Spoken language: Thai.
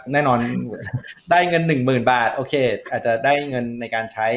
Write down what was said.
แน่นอนได้เงิน๑๐๐๐บาทโอเคอาจจะได้เงินในการใช้